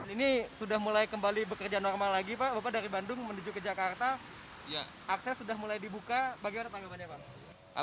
ini sudah mulai kembali bekerja normal lagi pak bapak dari bandung menuju ke jakarta akses sudah mulai dibuka bagaimana tanggapannya pak